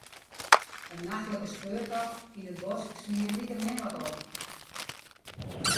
In nachtlike speurtocht yn 'e bosk smiet likemin wat op.